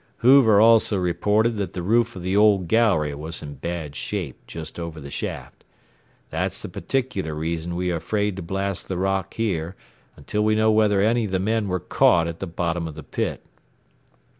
"Hoover also reported that the roof of the old gallery was in bad shape just over the shaft. That's the particular reason we are afraid to blast the rock here until we know whether any of the men were caught at the bottom of the pit."